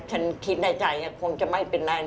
ฉันคิดในใจคงจะไม่เป็นไร